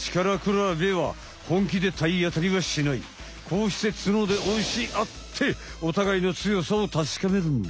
こうして角で押し合っておたがいの強さを確かめるんだ。